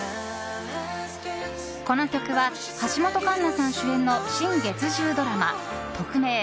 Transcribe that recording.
この曲は橋本環奈さん主演の新月１０ドラマ「トクメイ！